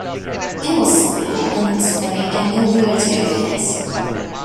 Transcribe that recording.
It was simple, in its way, and no virtue of his.